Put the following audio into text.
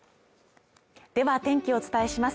では天気をお伝えします。